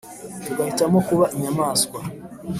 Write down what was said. Tugahitamo kuba inyamaswa